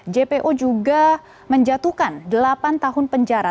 jpo juga menjatuhkan delapan tahun penjara